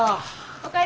お帰り。